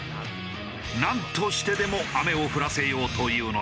なんとしてでも雨を降らせようというのだ。